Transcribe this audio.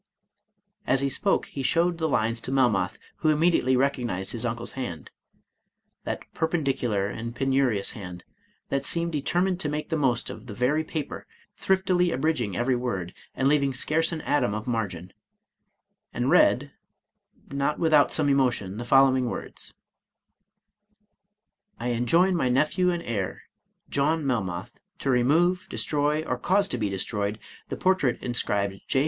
As he spoke he showed the lines to Melmoth, who immediately recog nized his uncle's hand (that perpendicular and penurious hand, that seems determined to make the most of the very paper, thriftily abridging every word, and leaving scarce an atom of margin), and read, not without some emotion, the following words :" I enjoin my nephew and heir, John Melmoth, to remove, destroy, or cause to be destroyed, the portrait inscribed J.